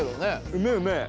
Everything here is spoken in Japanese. うめえうめえ！